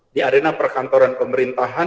di arena perkantoran pemerintahan